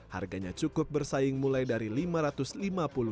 harganya cukup bersaing mulai dari rp lima ratus lima puluh